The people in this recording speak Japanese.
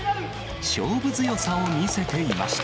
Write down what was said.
勝負強さを見せていました。